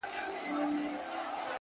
چا زر رنگونه پر جهان وپاشل چيري ولاړئ,